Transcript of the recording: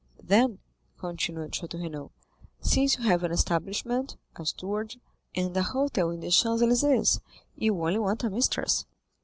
"Then," continued Château Renaud, "since you have an establishment, a steward, and a hotel in the Champs Élysées, you only want a mistress."